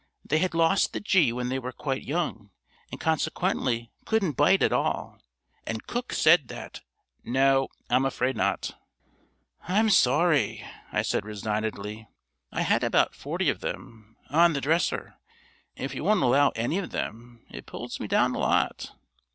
They had lost the G when they were quite young, and consequently couldn't bite at all, and Cook said that " "No; I'm afraid not." "I'm sorry," I said resignedly. "I had about forty of them on the dresser. If you won't allow any of them, it pulls me down a lot.